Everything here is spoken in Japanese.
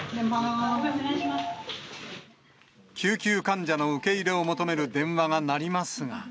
救急患者の受け入れを求める電話が鳴りますが。